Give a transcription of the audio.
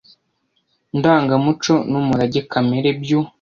ndangamuco n umurage kamere by u